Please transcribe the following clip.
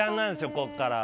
ここから。